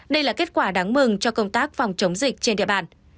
đây là kết quả đáng mừng cho công tác phòng chống dịch trên địa bàn